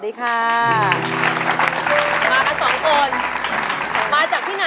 พ่อสาว